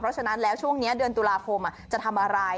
เพราะฉะนั้นแล้วช่วงนี้เดือนตุลาคมจะทำอะไร